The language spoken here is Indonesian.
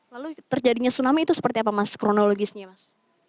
lalu terjadinya tsunami itu seperti apa mas kronologisnya mas